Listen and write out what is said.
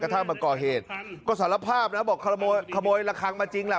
ถ้ามาก่อเหตุก็สารภาพนะบอกขโมยขโมยระคังมาจริงแหละ